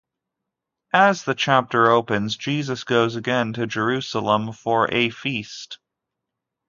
As the chapter opens, Jesus goes again to Jerusalem for "a feast".